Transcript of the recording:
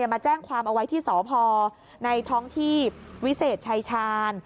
มาแจ้งความเอาไว้ที่สพในท้องที่วิเศษชายชาญ